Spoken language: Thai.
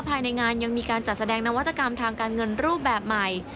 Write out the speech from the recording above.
ภายในงานยังมีการจัดแสดงนวัตกรรมทางการเงินรูปแบบใหม่